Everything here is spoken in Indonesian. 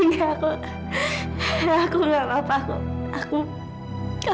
tidak aku tidak apa apa